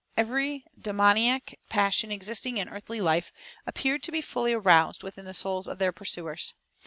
Every demoniac passion existing in earthly life appeared to be fully aroused within the souls of their pursuers.